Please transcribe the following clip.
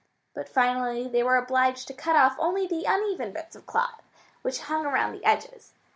But finally they were obliged to cut off only the uneven bits of cloth which hung around the edges.